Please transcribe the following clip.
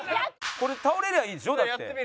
これ倒れりゃいいんでしょ？だって。